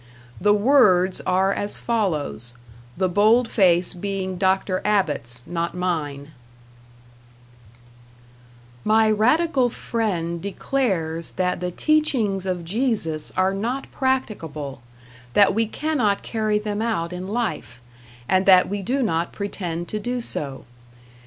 The words are as follows, the bold face being Dr. Abbott's, not mine: My radical friend declares that the teachings of Jesus are not practicable, that we cannot carry them out in life, and that we do not pretend to do so.